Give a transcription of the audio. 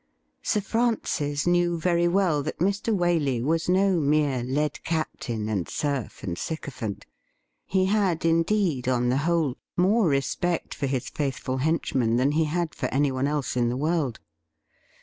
Sir Francis knew very well that Mr. Waley was no mere led captain, and serf, and sycophant. He had, indeed, on the whole, more respect for his faithful henchman than he had for anyone else in the world.